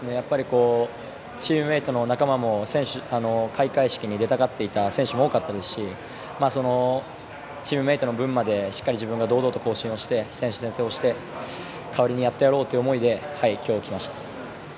チームメートの仲間も開会式に出たかった選手も多かったですしチームメートの分までしっかり自分が堂々と行進して選手宣誓をして、代わりにやってやろうという思いで今日、来ました。